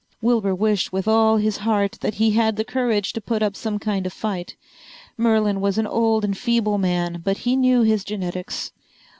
Wilbur wished with all his heart that he had the courage to put up some kind of fight. Merlin was an old and feeble man. But he knew his genetics.